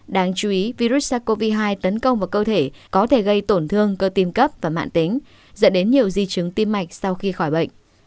đáng chú ý virus sars cov hai tấn công vào cơ thể có thể gây tổn thương cơ tim cấp và mạng tính dẫn đến nhiều di chứng tim mạch sau khi khỏi bệnh